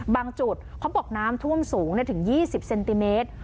จุดเขาบอกน้ำท่วมสูงถึง๒๐เซนติเมตร